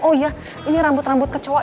oh iya ini rambut rambut kecoak